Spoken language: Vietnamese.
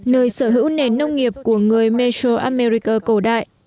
nơi sở hữu nền nông nghiệp của người mesoamerica cổ đại